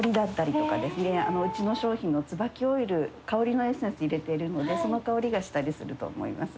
うちの商品のつばきオイル香りのエッセンス入れてるのでその香りがしたりすると思います。